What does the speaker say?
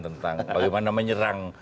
tentang bagaimana menyerang